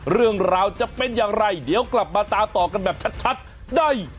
เรื่องราวจะเป็นอย่างไรเดี๋ยวกลับมาตามต่อกันแบบชัดได้